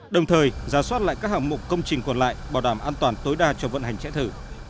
đồng thời giả soát lại các hạng mục công trình còn lại bảo đảm an toàn tối đa cho vận hành chạy thử